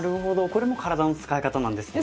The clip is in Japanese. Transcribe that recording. これも体の使い方なんですね。